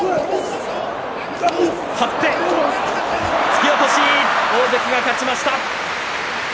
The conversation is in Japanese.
突き落とし、大関が勝ちました。